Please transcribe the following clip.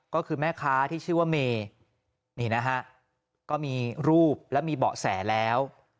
ก็คือแม่ค้าที่ชื่อว่าเมนี่นะฮะก็มีรูปและมีเบาะแสแล้ว